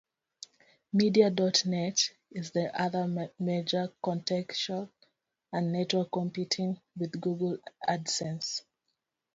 Media dot net is the other major contextual ad network competing with Google Adsense.